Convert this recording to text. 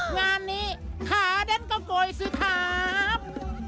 งานนี้ขาเด้นก็โกยสิครับ